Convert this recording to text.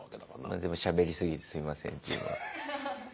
でもしゃべりすぎてすいませんって。